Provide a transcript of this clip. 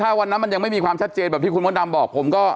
ถ้าวันนั้นมันยังไม่มีความชัดเจนแบบที่คุณมดดำบอกผมก็